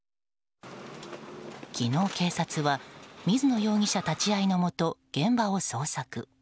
昨日、警察は水野容疑者立ち会いのもと現場を捜索。